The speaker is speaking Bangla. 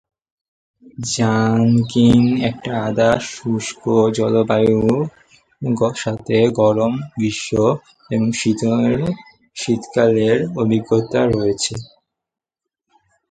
র্যাঙ্কিন একটি আধা-শুষ্ক জলবায়ুর সাথে গরম গ্রীষ্ম এবং শীতল শীতকালের অভিজ্ঞতা রয়েছে।